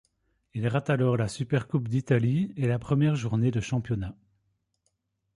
Il rate alors la Supercoupe d'Italie et la première journée de championnat.